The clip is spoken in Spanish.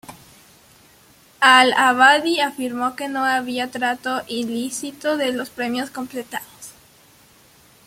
Al-Abadi afirmó que no había trato ilícito de los premios completados.